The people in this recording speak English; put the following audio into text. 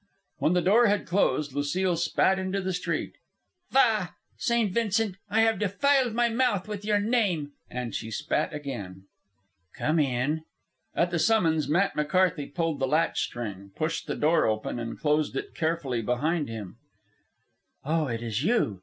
When the door had closed, Lucile spat into the street. "Faugh! St. Vincent! I have defiled my mouth with your name!" And she spat again. "Come in." At the summons Matt McCarthy pulled the latch string, pushed the door open, and closed it carefully behind him. "Oh, it is you!"